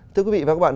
thưa quý vị và các bạn